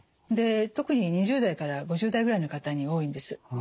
で特に２０代から５０代ぐらいの方に多いんです。